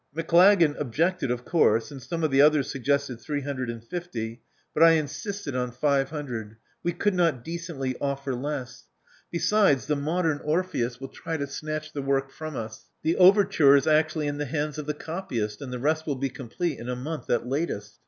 Maclagan objected, of course; and some of the others suggested three hundred and fifty; but I insisted on five hundred. We could not decently offer less. Besides, the Modem Orpheus will 270 Love Among the Artists try to snatch the work from us. The overture is actually in the hands of the copyist; and the rest will be complete in a month at latest."